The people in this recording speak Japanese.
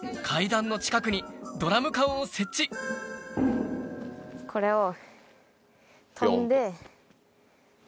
階段の近くにドラム缶を設置これ。